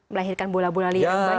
melahirkan bola bola liar